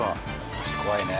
腰怖いね。